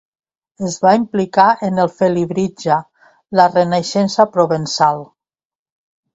Es va implicar en el Felibritge, la Renaixença provençal.